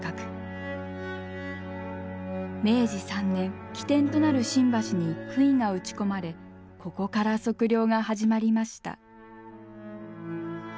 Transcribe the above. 明治３年起点となる新橋に杭が打ち込まれここから測量が始まりました。